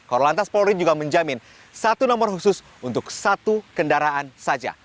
kor lantas pori juga menjamin satu nomor khusus untuk satu kendaraan saja